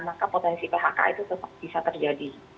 maka potensi phk itu tetap bisa terjadi